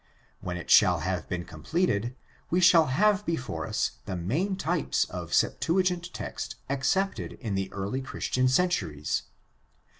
When it shall have been completed, we shall have before us the main types of Septuagint text accepted in the early Christian centuries.